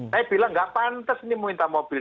saya bilang tidak pantas ini meminta mobil